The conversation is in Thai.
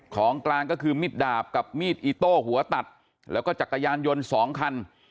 ของกลางก็คือมิดดาบกับมีดอิโต้หัวตัดแล้วก็จักรยานยนต์๒คัน